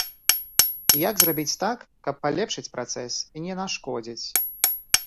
І як зрабіць так, каб палепшыць працэс і не нашкодзіць?